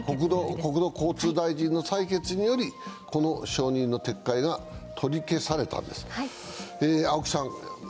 国土交通省大臣の裁決によりこの承認の撤回が取り消されたんですね。